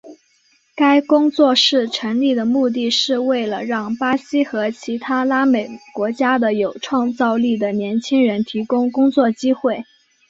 该工作室成立的目的是为了让巴西和其他拉美国家的有创造力的年轻人提供工作机会。